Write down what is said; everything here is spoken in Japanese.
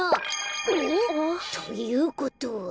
お？ということは。